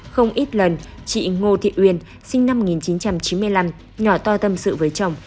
không ít lần chị ngô thị uyên sinh năm một nghìn chín trăm chín mươi năm nhỏ to tâm sự với chồng